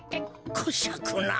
こしゃくな。